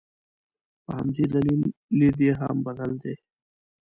په همدې دلیل لید یې هم بدل دی.